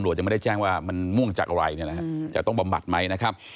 หลัวจะไม่ได้แจ้งว่ามันม่วงจากอะไรจะต้องบำบัดไหมนะครับ